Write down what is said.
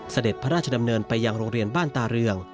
เสด็จพระราชดำเนินไปยังโรงเรียนบ้านตาเรือง